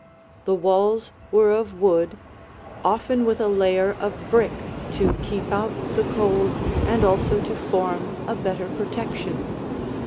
The walls were of wood, often with a layer of brick to keep out the cold and also to form a better protection.